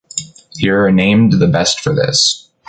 Here are named the best for this.